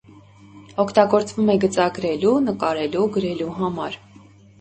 Օգտագործվում է գծագրելու, նկարելու, գրելու համար։